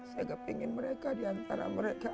saya kepingin mereka diantara mereka